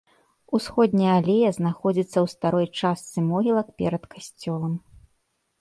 Усходняя алея знаходзіцца ў старой частцы могілак перад касцёлам.